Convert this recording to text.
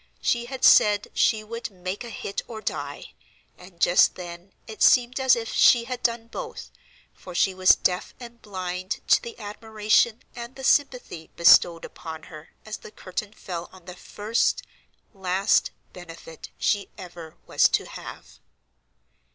She had said she would "make a hit or die;" and just then it seemed as if she had done both, for she was deaf and blind to the admiration and the sympathy bestowed upon her as the curtain fell on the first, last benefit she ever was to have.